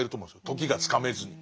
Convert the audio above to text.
時がつかめずに。